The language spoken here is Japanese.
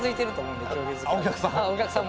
お客さん？